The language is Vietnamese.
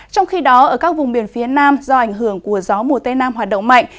trong khi đó ở các vùng biển phía nam do ảnh hưởng của gió mùa tây nam hoạt động mạnh